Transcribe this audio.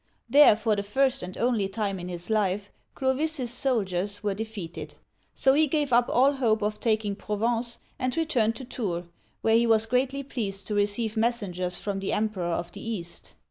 There, for the first and only time in his life, Clovis's soldiers were de feated ; so he gave up all hope of taking Provence, and returned to Tours, where he was greatly pleased to receive messengers from the Emperor of the East.